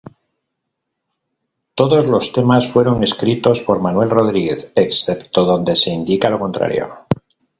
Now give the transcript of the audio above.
Todos los temas fueron escritos por Manuel Rodríguez, excepto donde se indica lo contrario.